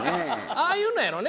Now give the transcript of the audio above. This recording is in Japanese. ああいうのやろね